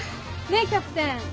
ねっキャプテン。